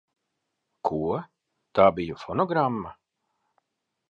Ko? Tā bija fonogramma?